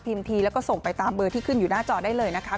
ทีแล้วก็ส่งไปตามเบอร์ที่ขึ้นอยู่หน้าจอได้เลยนะคะ